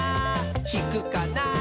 ひくかな？